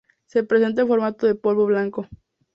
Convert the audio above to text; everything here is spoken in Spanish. Se presenta en formato de polvo blanco.